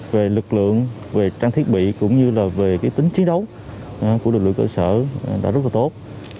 về lực lượng về trang thiết bị cũng như là về tính chiến đấu của lực lượng cơ sở đã rất là tốt